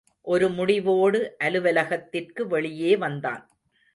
ஒரு முடிவோடு அலுவலகத்திற்கு வெளியே வந்தான்.